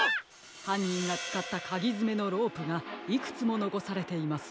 はんにんがつかったかぎづめのロープがいくつものこされています。